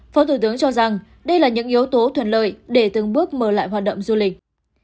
phó thủ tướng cho rằng đây là những yếu tố thuận lợi để từng bước mở lại hoạt động du lịch